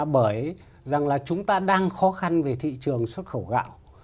bởi rằng là chúng ta đang khó khăn về thị trường xuất khẩu gạo